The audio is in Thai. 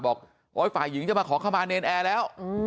บอกว่าฝ่ายิงจะมาขอเข้ามาเน้นแอร์แล้ว